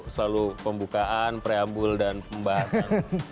selalu pembukaan preambul dan pembahasan